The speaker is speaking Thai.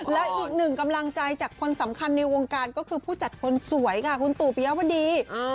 และอีกหนึ่งกำลังใจจากคนสำคัญในวงการก็คือผู้จัดคนสวยค่ะคุณตู่ปียวดี